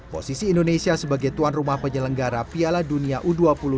posisi indonesia sebagai tuan rumah penyelenggara piala dunia u dua puluh dua ribu dua puluh tiga